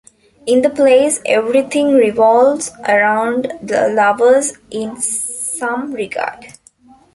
In the plays everything revolves around the Lovers in some regard.